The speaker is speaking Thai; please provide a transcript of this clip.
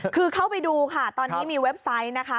คือเข้าไปดูค่ะตอนนี้มีเว็บไซต์นะคะ